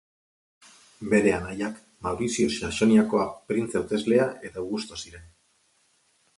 Bere anaiak Maurizio Saxoniakoa printze hauteslea eta Augusto ziren.